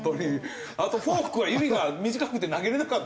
あとフォークは指が短くて投げれなかったんでしょ？